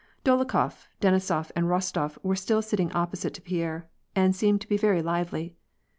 Dolokhof, Denisof, and Eostof were still sitting opposite to Pierre, and seemed to be very lively.